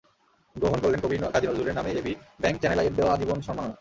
গ্রহণ করলেন কবি কাজী নজরুলের নামে এবি ব্যাংক-চ্যানেল আইয়ের দেওয়া আজীবন সম্মাননা।